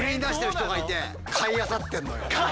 買いあさってんの？